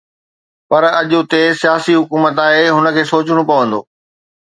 پر اڄ اتي سياسي حڪومت آهي“ هن کي سوچڻو پوندو